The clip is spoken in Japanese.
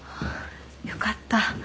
よかった。